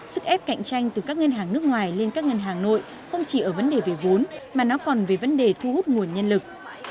sức ép cạnh tranh từ các ngân hàng nước ngoài lên các ngân hàng nội không chỉ ở vấn đề về vốn mà nó còn về vấn đề thu hút nguồn nhân lực